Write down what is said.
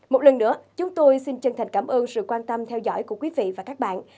một lần nữa chúng tôi xin chân thành cảm ơn sự quan tâm theo dõi của quý vị và các bạn